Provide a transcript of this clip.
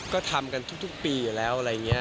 ก็ทำกันทุกปีอยู่แล้วอะไรอย่างนี้